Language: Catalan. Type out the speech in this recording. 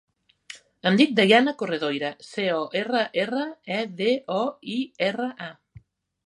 Em dic Dayana Corredoira: ce, o, erra, erra, e, de, o, i, erra, a.